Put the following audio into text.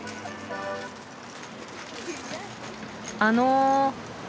あの。